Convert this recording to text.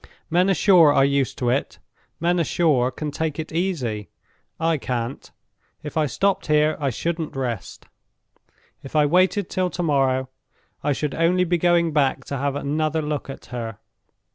Men ashore are used to it; men ashore can take it easy. I can't. If I stopped here I shouldn't rest. If I waited till to morrow, I should only be going back to have another look at her.